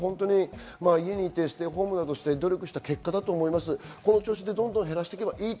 ステイホームなどで努力した結果だと思います。